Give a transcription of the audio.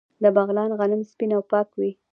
د بغلان غنم سپین او پاک وي.